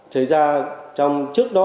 xảy ra trong trước đó